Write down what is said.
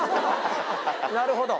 なるほど。